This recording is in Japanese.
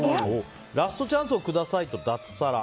ラストチャンスを下さいと脱サラ。